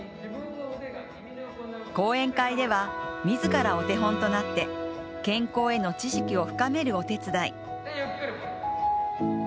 講演会では自らお手本となって健康への知識を深めるお手伝い。